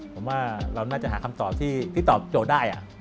ผมว่าเราน่าจะหาคำตอบที่ตอบโจทย์ได้